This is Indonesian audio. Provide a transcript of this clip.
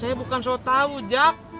saya bukan so tau jak